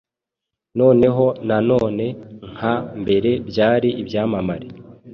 Noneho na none nka mbere byari ibyamamare